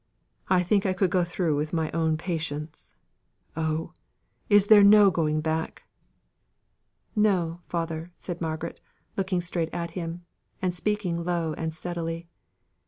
I think I could go through my own with patience. Oh, is there no going back?" "No, father," said Margaret, looking straight at him, and speaking low and steadily.